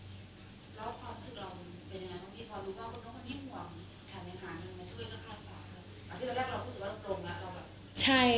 ความรู้สึกว่าพี่พอร์ดต้องก็นิดห่วงถ่ายเมืองหาเงินมาช่วยกับท่านสาม